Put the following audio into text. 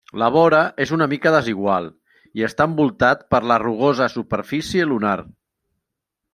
La vora és una mica desigual, i està envoltat per la rugosa superfície lunar.